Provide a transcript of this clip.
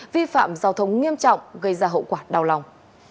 vi phạm giao thông nghiêm trọng gây ra hậu quả đau lòng